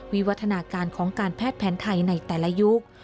วิวัฒนาการของการแพทย์แผนไทยในแต่ละยุค